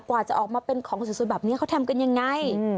กว่าจะออกมาเป็นของสวยแบบนี้เขาทำกันยังไง